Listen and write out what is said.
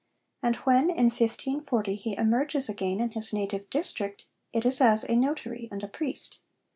And when, in 1540, he emerges again in his native district, it is as a notary and a priest.